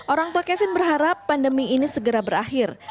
orang tua kevin berharap pandemi ini segera berakhir